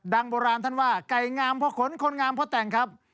โบราณท่านว่าไก่งามเพราะขนคนงามเพราะแต่งครับ